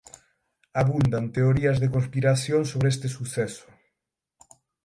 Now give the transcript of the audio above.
Abundan teorías de conspiración sobre este suceso.